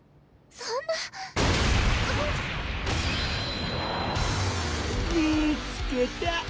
そんな・・見つけた！